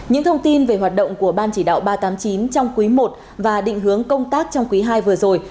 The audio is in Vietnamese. những thông tin về hoạt động của ban chỉ đạo ba trăm tám mươi chín trong quý i và định hướng công tác trong quý ii vừa rồi